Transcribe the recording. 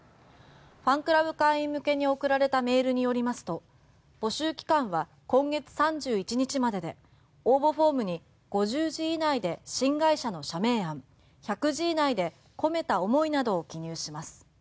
ファンクラブ会員向けに送られたメールによりますと募集期間は今月３１日までで応募フォームに５０字以内で新会社の社名案１００字以内で込めた思いなどを記入します。